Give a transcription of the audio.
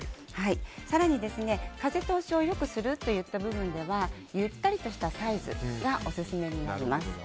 更に、風通しを良くするという部分ではゆったりとしたサイズがオススメになります。